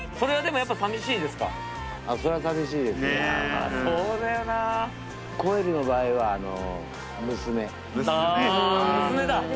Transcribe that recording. やっぱそうだよなコエルの場合はあの娘あ娘だ